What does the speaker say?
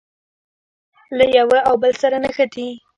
له یوه او بل سره نښتي.